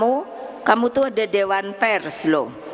oh kamu tuh ada dewan pers loh